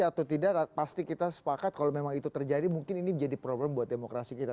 atau tidak pasti kita sepakat kalau memang itu terjadi mungkin ini menjadi problem buat demokrasi kita